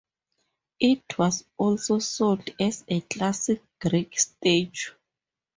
It was also sold as a classic Greek statue.